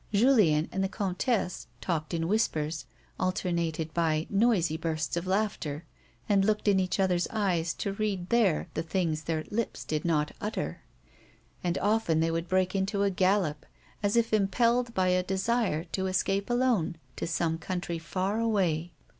Julien and the comtesse talked in whispers alter nated by noisy bursts of laughter, and looked in each other's eyes to read there the things their lips did not utter, and often they would break into a gallop, as if impelled by a desire to escape alone to some country far away.